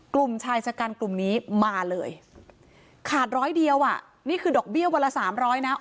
กลุ่มชายชะกันกลุ่มนี้มาเลยขาดร้อยเดียวอ่ะนี่คือดอกเบี้ยวันละสามร้อยนะ